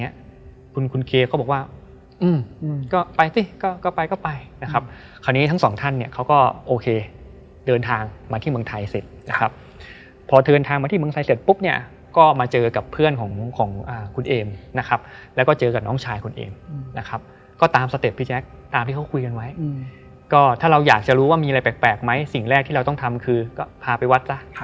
เคก็บอกว่าอืมก็ไปสิก็ไปก็ไปนะครับคราวนี้ทั้งสองท่านเนี่ยเขาก็โอเคเดินทางมาที่เมืองไทยเสร็จนะครับพอเดินทางมาที่เมืองไทยเสร็จปุ๊บเนี่ยก็มาเจอกับเพื่อนของของคุณเอมนะครับแล้วก็เจอกับน้องชายคุณเอมนะครับก็ตามสเต็ปพี่แจ๊คตามที่เขาคุยกันไว้ก็ถ้าเราอยากจะรู้ว่ามีอะไรแปลกไหมสิ่งแรกที่เราต้องทำคือก็พาไปวัดซะ